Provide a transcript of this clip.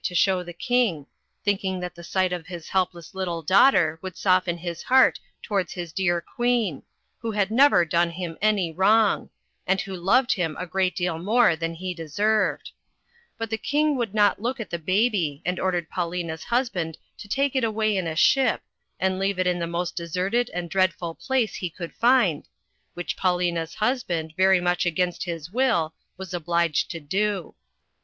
7S to show the King, thinking that the sight of his helpless little daugh ter would soften his heart towards his dear Queen, who had never done him any wrong, and who loved him a great deal more than he deserved; but the King would not look at the baby, and ordered Paulina's husband, to take it away in a shij), and leave it in the most deserted and dreadful place he could find, which Paulina's husband, very much against his will, was obliged to do.